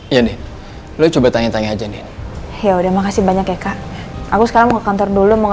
iya deh lu coba tanya tanya aja deh ya udah makasih banyak ya kak aku sekarang mau ke kantor dulu mau